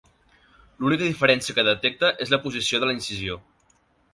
L'única diferència que detecta és la posició de la incisió.